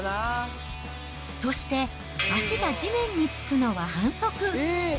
そして足が地面につくのは反則。